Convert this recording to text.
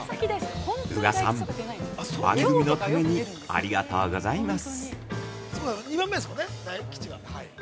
◆宇賀さん、番組のためにありがとうございます。